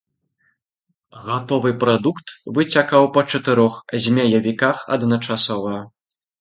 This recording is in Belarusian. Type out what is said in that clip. Гатовы прадукт выцякаў па чатырох змеявіках адначасова.